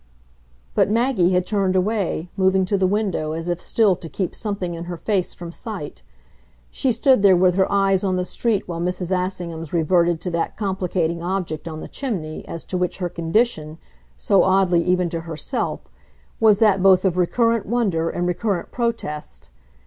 But Maggie had turned away, moving to the window, as if still to keep something in her face from sight. She stood there with her eyes on the street while Mrs. Assingham's reverted to that complicating object on the chimney as to which her condition, so oddly even to herself, was that both of recurrent wonder and recurrent protest.